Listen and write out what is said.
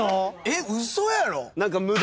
えっ嘘やろ！？